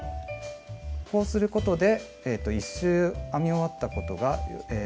こうすることで１周編み終わったことが簡単に分かります。